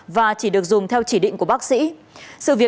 và chỉ được dùng theo chỉ định của bác sĩ